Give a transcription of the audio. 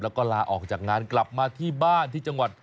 แล้วก็ลาออกจากงานกลับมาที่บ้านที่จังหวัด